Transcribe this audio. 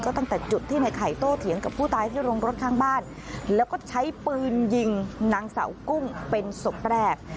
ก็ตั้งแต่จุดที่ในไข่โตเถียงกับผู้ตายที่โรงรถข้างบ้านแล้วก็ใช้ปืนยิงนางสาวกุ้งเป็นศพแรก